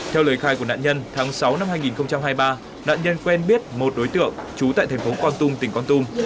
theo lời khai của nạn nhân tháng sáu năm hai nghìn hai mươi ba nạn nhân quen biết một đối tượng trú tại thành phố con tum tỉnh con tum